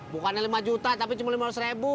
bukannya lima juta tapi cuma lima ratus ribu